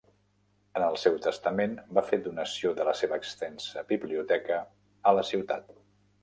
En el seu testament, va fer donació de la seva extensa biblioteca a la ciutat.